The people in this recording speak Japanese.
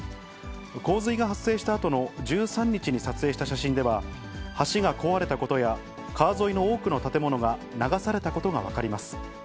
洪水が発生したあとの１３日に撮影した写真では、橋が壊れたことや、川沿いの多くの建物が流されたことが分かります。